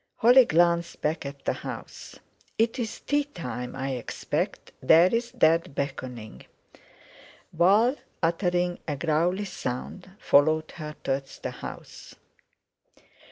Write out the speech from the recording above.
Holly glanced back at the house. "It's tea time, I expect; there's Dad beckoning." Val, uttering a growly sound, followed her towards the house.